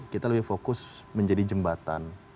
kita lebih fokus menjadi jembatan